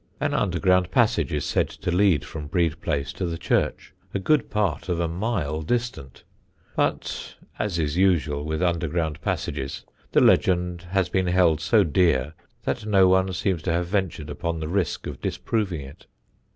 An underground passage is said to lead from Brede Place to the church, a good part of a mile distant; but as is usual with underground passages, the legend has been held so dear that no one seems to have ventured upon the risk of disproving it.